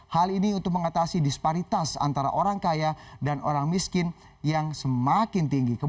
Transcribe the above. hal ini untuk mengatasi disparitas antara orang kaya dan orang miskin yang semakin tinggi